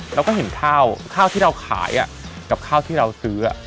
เราก็เห็นข้าวข้าวที่เราขายกับข้าวที่เราซื้อ